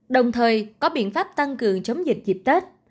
đồng thời có biện pháp tăng cường chống dịch dịp tết